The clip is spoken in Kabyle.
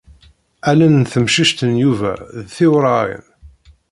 Allen n temcict n Yuba d tiwraɣin.